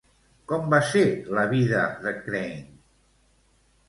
Com va ser la vida de Crane?